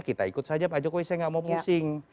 kita ikut saja pak jokowi saya gak mau pusing